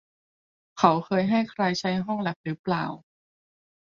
เขาเคยให้ใครใช้ห้องแลปรึเปล่า